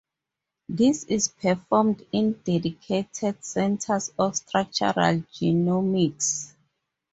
This is performed in dedicated centers of structural genomics.